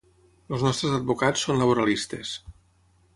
Els nostres advocats són laboralistes.